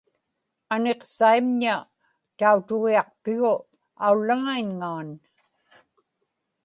aniqsa-imña tautugiaqpigu aullaŋaiñŋaan